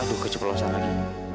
aduh keceplosan lagi